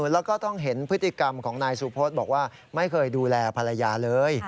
แล้วก็ต้องเห็นพฤติกรรมของนายสุพธบอกว่าไม่เคยดูแลภรรยาเลย